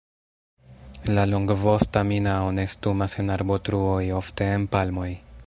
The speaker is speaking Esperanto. La Longvosta minao nestumas en arbotruoj, ofte en palmoj.